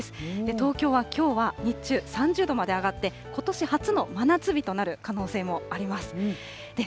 東京はきょうは日中３０度まで上がって、ことし初の真夏日となる可能性もあります。